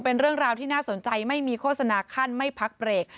เป็นเรื่องราวที่น่าสนใจไม่มีโฆษณาขั้นไม่พักเบรก